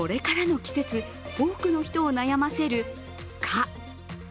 これからの季節、多くの人を悩ませる蚊。